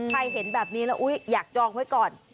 เห็นแบบนี้แล้วอุ๊ยอยากจองไว้ก่อน